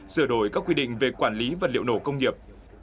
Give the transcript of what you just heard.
sửa đổi các quy định về quản lý vật liệu nổ công nghiệp